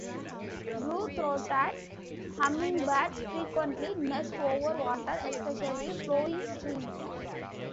Blue-throated Hummingbirds frequently nest over water, especially flowing streams.